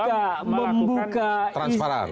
ketimbang melakukan transparan